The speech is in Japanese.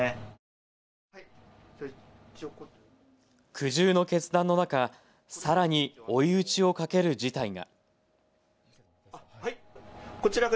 苦渋の決断の中、さらに追い打ちをかける事態が。